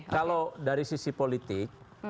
kalau dari sisi politik